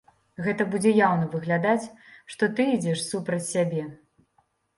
Гэта будзе яўна выглядаць, што ты ідзеш супраць сябе.